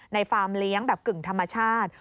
ฟาร์มเลี้ยงแบบกึ่งธรรมชาติ